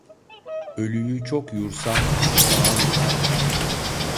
Ölüyü çok yursan sıçağan olur.